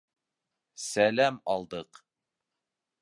Сәләм алдыҡ.